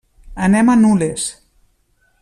Anem a Nules.